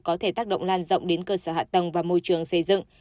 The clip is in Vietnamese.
có thể tác động lan rộng đến cơ sở hạ tầng và môi trường xây dựng